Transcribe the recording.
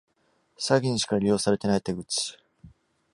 詐欺にしか利用されてない手口